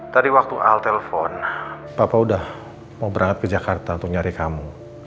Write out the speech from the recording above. tadi waktu al telpon bapak udah mau berangkat ke jakarta untuk nyari kamu